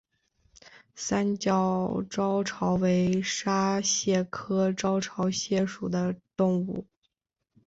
三角招潮为沙蟹科招潮蟹属的动物。